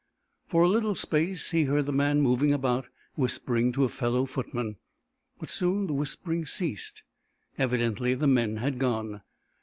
For a little space he heard the man moving about, whispering to a fellow footman. But soon the whispering ceased. Evidently the men had gone.